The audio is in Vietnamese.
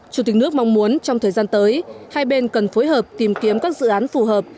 chủ tịch nước mong muốn trong thời gian tới hai bên cần phối hợp tìm kiếm các dự án phù hợp